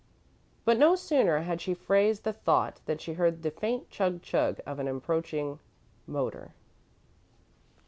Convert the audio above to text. But no sooner had she phrased the thought than she heard the faint chug chug of an approaching motor.